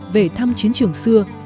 về thăm chiến trường xưa